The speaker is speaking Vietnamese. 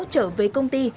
trở về công ty